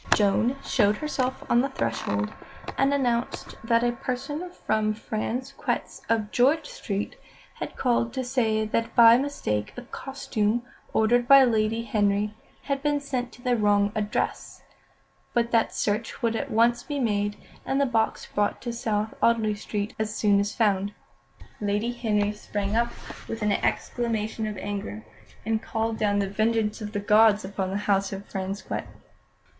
Joan showed herself on the threshold, and announced that a person from Frasquet's, of George Street, had called to say that by mistake a costume ordered by Lady Henry had been sent to the wrong address, but that search would at once be made, and the box brought to South Audley Street as soon as found. Lady Henry sprang up with an exclamation of anger, and called down the vengeance of the gods upon the house of Frasquet.